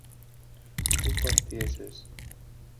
tú partieses